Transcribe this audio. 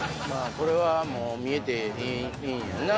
これはもう見えていいんやんな